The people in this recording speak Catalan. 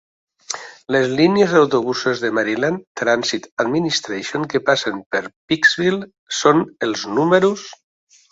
Les línies d"autobusos de Maryland Transit Administration que passen per Pikesville són els números